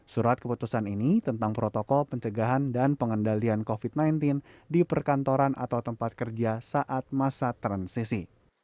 surat keputusan ini tentang protokol pencegahan dan pengendalian covid sembilan belas di perkantoran atau tempat kerja saat masa transisi